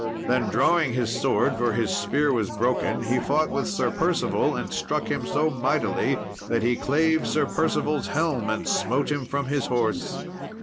Then drawing his sword, for his spear was broken, he fought with Sir Percival, and struck so mightily that he clave Sir Percival's helm, and smote him from his horse.